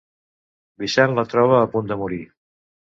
Vincent la troba a punt de morir.